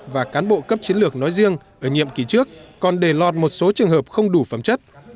và cán bộ cấp chiến lược nói riêng ở nhiệm kỳ trước còn để lọt một số trường hợp không đủ phẩm chất